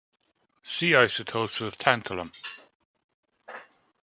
See isotopes of tantalum.